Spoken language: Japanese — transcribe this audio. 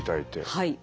はい。